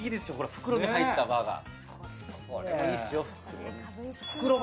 袋に入ったバーガー。